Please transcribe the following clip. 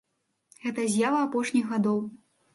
Гэта з'ява апошніх гадоў.